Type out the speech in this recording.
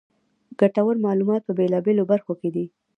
ګټورمعلومات په بېلا بېلو برخو کې دي.